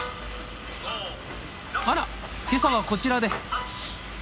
あら今朝はこちらで。